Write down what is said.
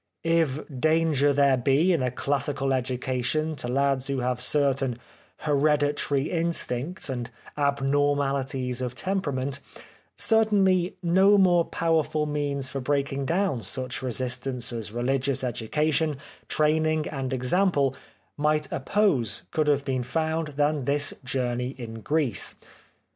If danger there be in a classical education to lads who have certain hereditary instincts and abnor malities of temperament, certainly no more powerful means for breaking down such re sistance as religious education, training, and example might oppose could have been found 153 The Life of Oscar Wilde than this journey in Greece.